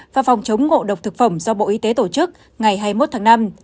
và phòng chống ngộ độc thực phẩm do bộ y tế tổ chức ngày hai mươi một tháng năm